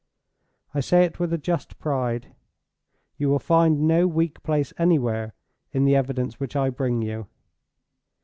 I say it with a just pride—you will find no weak place anywhere in the evidence which I bring you.